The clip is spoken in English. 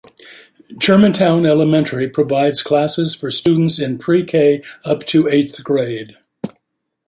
Germantown Elementary provides classes for students in Pre-K up to eighth grade.